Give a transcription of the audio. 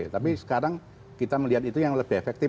tapi sekarang kita melihat itu yang lebih efektif